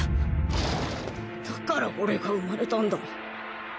だから俺が生まれたんだろ！？